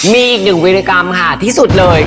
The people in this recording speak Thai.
มีอีกหนึ่งวิธีกรรมค่ะที่สุดเลย